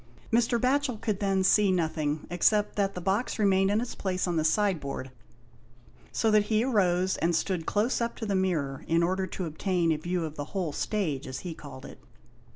Mr. Batchel could then see nothing, except that the box remained in its place on the side board, so that he arose and stood close up to the mirror in order to obtain a view of the whole stage, as he called it.